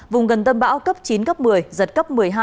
vùng gần tâm bão cấp chín cấp một mươi giật cấp một mươi hai